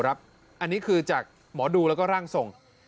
อันนี้คือจากหมอดูแล้วก็ร่างทรง